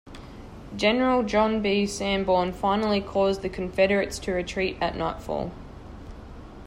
General John B. Sanborn finally caused the Confederates to retreat at nightfall.